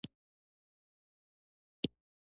واک باید د خلکو حقونو ته زیان ونه رسوي.